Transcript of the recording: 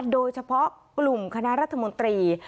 โดยเฉพาะกลุ่มคณะรัฐมนตรี